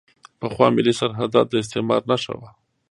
پخوا ملي سرحدات د استعمار نښه وو.